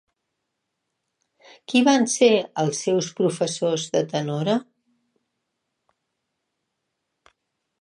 Qui van ser els seus professors de tenora?